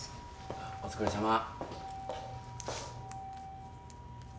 あっお疲れさま。